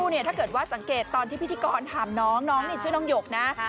นี่คุณสังเกษตอนที่พิธีกรถามน้องน้องนี่ชื่อน้องหยกนะ